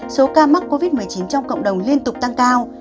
số ca mắc covid một mươi chín trong cộng đồng liên tục tăng cao